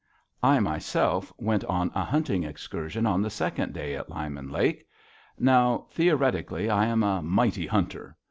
I myself went on a hunting excursion on the second day at Lyman Lake. Now, theoretically, I am a mighty hunter.